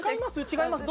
違います。